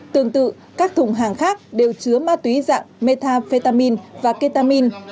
tương tự các thùng hàng khác đều chứa ma túy dạng metafetamin và ketamin